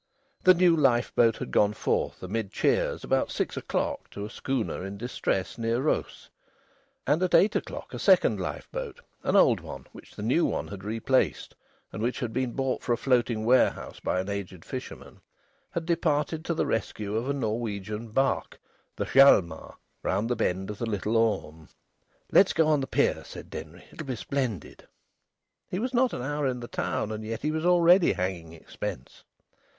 The new lifeboat had gone forth, amid cheers, about six o'clock to a schooner in distress near Rhos, and at eight o'clock a second lifeboat (an old one which the new one had replaced and which had been bought for a floating warehouse by an aged fisherman) had departed to the rescue of a Norwegian barque, the Hjalmar, round the bend of the Little Orme. "Let's go on the pier," said Denry. "It will be splendid." He was not an hour in the town, and yet was already hanging expense!